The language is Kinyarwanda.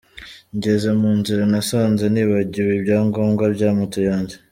Ngeze mu nzira nasanze nibagiwe ibyangombwa bya moto yanjye.